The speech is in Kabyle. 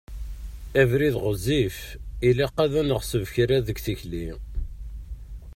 Abrid ɣezzif, ilaq ad neɣṣeb kra deg tikli.